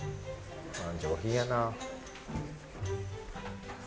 上品やな。